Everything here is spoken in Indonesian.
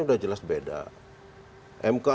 sudah jelas beda mk